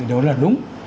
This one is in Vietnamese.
đó là đúng